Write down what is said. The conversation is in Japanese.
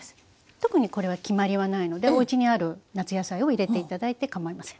特にこれは決まりはないのでおうちにある夏野菜を入れていただいてかまいません。